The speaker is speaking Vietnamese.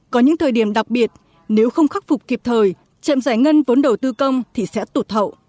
có những thời điểm đặc biệt nếu không khắc phục kịp thời chậm giải ngân vốn đầu tư công thì sẽ tụt hậu